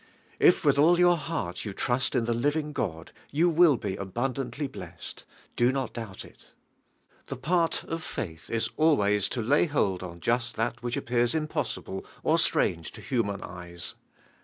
If with all your heart you trnst in the liv ing God yon will be abundantly blest; do not doubt it. UlVlNE HEALING. ' The part of faith is always to lay hold on just that which appears impossible or si range to human eyes.